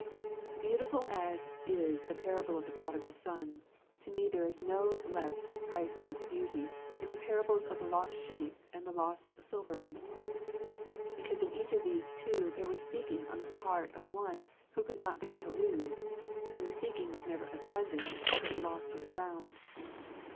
Beautiful as is the parable of the Prodigal Son, to me there is a no less priceless beauty in the parables of the Lost Sheep and the Lost Silverling, because in each of these two there was seeking on the part of one who could not bear to lose, and the seeking was never abandoned until the lost was found.